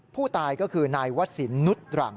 ผู้ตายก็คือนายวศิลปนุษย์หลัง